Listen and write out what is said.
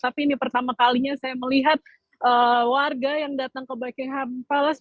tapi ini pertama kalinya saya melihat warga yang datang ke buckingham palace